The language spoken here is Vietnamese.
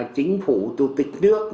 chính phủ tổ tịch nước